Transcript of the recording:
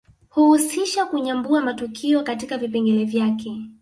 Huhusisha kunyambua matukio katika vipengele vyake